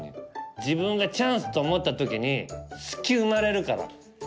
自分がチャンスと思った時に隙生まれるから。